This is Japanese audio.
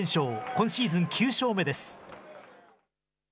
今シーズン９勝目です。